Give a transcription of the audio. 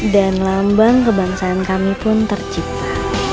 dan lambang kebangsaan kami pun tercipta